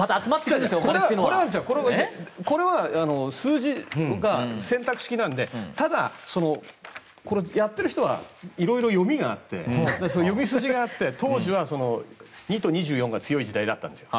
これは数字が選択式なんでやっている人は色々、読みがあって読み筋があって当時は２と２４が強い時代だったんですよ。